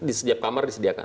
di setiap kamar disediakan